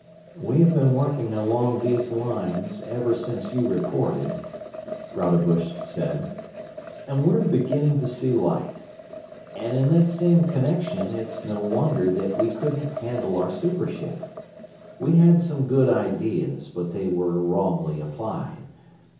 "We've been working along those lines ever since you reported," Rodebush said, "and we're beginning to see light. And in that same connection it's no wonder that we couldn't handle our super ship. We had some good ideas, but they were wrongly applied.